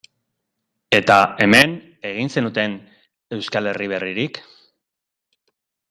Eta, hemen, egin zenuten Euskal Herri berririk?